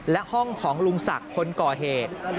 และห้องของลุงศักดิ์คนก่อเหตุ